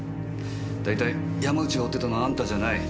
大体山内が追ってたのはあんたじゃない。